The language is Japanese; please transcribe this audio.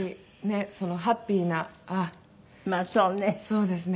そうですね。